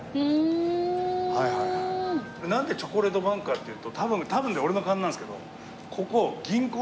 なんでチョコレートバンクかっていうと多分ね俺の勘なんですけどここ。